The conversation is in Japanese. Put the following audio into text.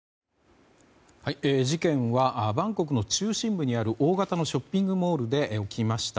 事件はバンコクの中心部にある大型のショッピングモールで起きました。